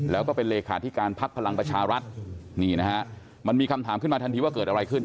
แล้วก็เป็นเลขาธิการพักพลังประชารัฐนี่นะฮะมันมีคำถามขึ้นมาทันทีว่าเกิดอะไรขึ้น